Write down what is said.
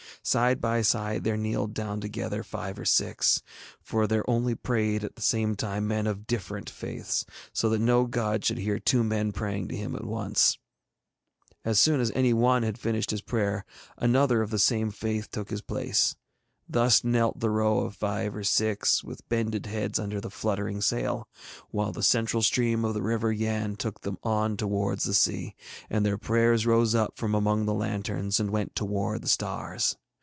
Side by side there kneeled down together five or six, for there only prayed at the same time men of different faiths, so that no god should hear two men praying to him at once. As soon as any one had finished his prayer, another of the same faith took his place. Thus knelt the row of five or six with bended heads under the fluttering sail, while the central stream of the River Yann took them on towards the sea, and their prayers rose up from among the lanterns and went towards the stars.